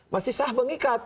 masih sah mengikat